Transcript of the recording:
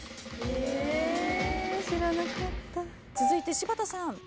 続いて柴田さん。